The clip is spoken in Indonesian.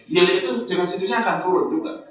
yield itu dengan sendirinya akan turun juga